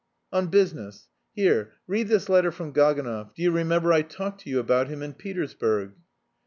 "On business. Here, read this letter from Gaganov; do you remember, I talked to you about him in Petersburg."